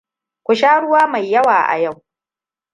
ku sha ruwa mai yawa a yau